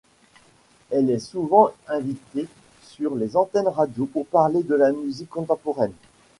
Elle est souvent invitée sur les antennes radio pour parler de la musique contemporaine.